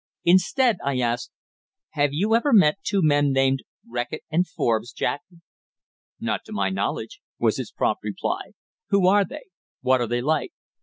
Instead, I asked "Have you ever met two men named Reckitt and Forbes, Jack?" "Not to my knowledge," was his prompt reply. "Who are they? What are they like?"